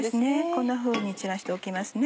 こんなふうに散らしておきますね。